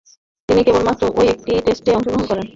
তিনি কেবলমাত্র ঐ একটি টেস্টে অংশগ্রহণ করেন।